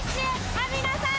網野さん